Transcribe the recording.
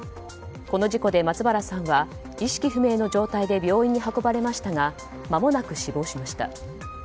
この事故で松原さんは意識不明の状態で病院に運ばれましたがまもなく死亡しました。